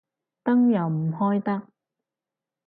燈又唔開得